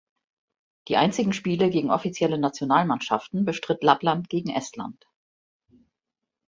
Die einzigen Spiele gegen offizielle Nationalmannschaften bestritt Lappland gegen Estland.